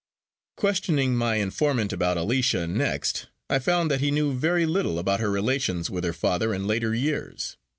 Questioning my informant about Alicia next, I found that he knew very little about her relations with her father in later years.